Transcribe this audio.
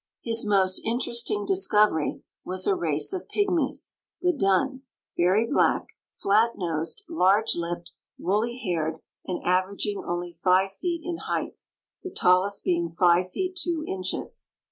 His most interesting discovery was a race of pigmies, the Dunne, very black, flat nosed, large lipped, woolly haired, and averaging only five feet in height, the tallest being 5 feet 2 inches.